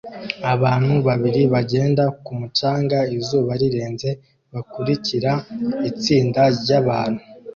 Abantu babiri bagenda ku mucanga izuba rirenze bakurura itsinda ryabantu